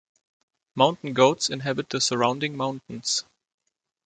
Mountain goats inhabit the surrounding mountains.